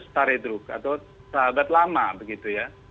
stare drug atau sahabat lama begitu ya